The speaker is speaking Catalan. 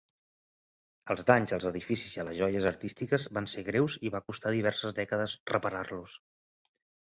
Els danys als edificis i a les joies artístiques van ser greus i va costar diverses dècades reparar-los.